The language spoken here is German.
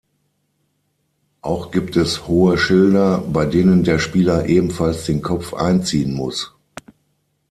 Auch gibt es hohe Schilder, bei denen der Spieler ebenfalls den Kopf einziehen muss.